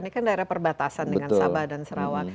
ini kan daerah perbatasan dengan sabah dan sarawak